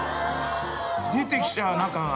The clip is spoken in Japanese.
出てきちゃう中が！